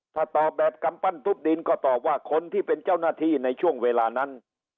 ถ้าตอบแบบกำปั้นทุบดินก็ตอบว่าคนที่เป็นเจ้าหน้าที่ในช่วงเวลานั้น